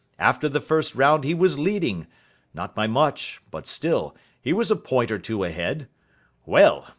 After the first round he was leading not by much, but still, he was a point or two ahead. Well!